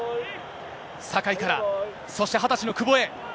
酒井から、そして２０歳の久保へ。